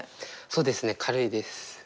そうですね軽いです。